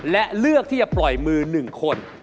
และเลือกที่จะปล่อยมือ๑คน